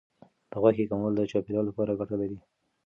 د غوښې کمول د چاپیریال لپاره ګټه لري.